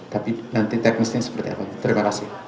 tapi nanti teknisnya seperti apa terima kasih